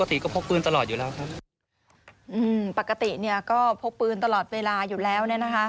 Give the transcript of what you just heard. ปกติก็พกปืนตลอดอยู่แล้วครับอืมปกติเนี่ยก็พกปืนตลอดเวลาอยู่แล้วเนี่ยนะคะ